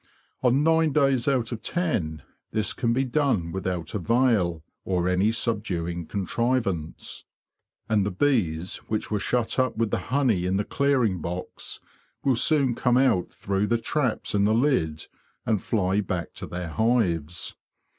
On nine days out of ten this can be done without a veil or any subduing contrivance; and the bees which were shut up with the honey in the clearing box will soon come out through the traps in the lid and fly back to their hives.